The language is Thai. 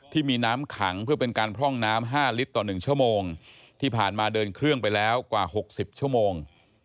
ที่มีน้ำขังเพื่อเป็นการพร่องน้ำ๕ลิตรต่อ๑ชั่วโมงที่ผ่านมาเดินเครื่องไปแล้วกว่า๖๐ชั่วโมง